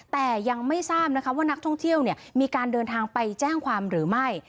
แต่ยังไม่ทราบนะคะว่านักท่องเที่ยวมีการเดินทางไปแจ้งความหรือไม่